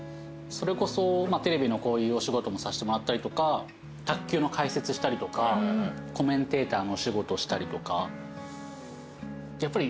それこそテレビのこういう仕事もさせてもらったりとか卓球の解説したりとかコメンテーターの仕事したりとか。